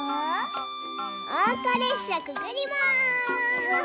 おうかれっしゃくぐります。